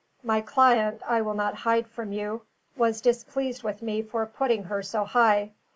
"My client, I will not hide from you, was displeased with me for putting her so high.